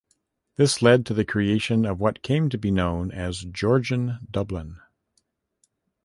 This led to the creation of what came to be known as Georgian Dublin.